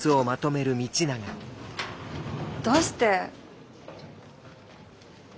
どうして。